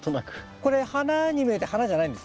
これ花に見えて花じゃないんです。